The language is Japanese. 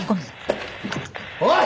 おい！